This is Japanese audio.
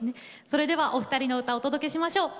それではお二人の歌をお届けしましょう。